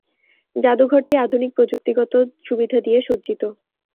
জাদুঘরটি আধুনিক প্রযুক্তিগত সুবিধা দিয়ে সজ্জিত।